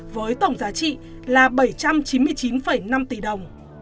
với tổng giá trị là bảy trăm chín mươi chín năm tỷ đồng